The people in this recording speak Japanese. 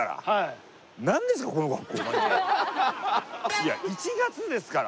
いや１月ですから。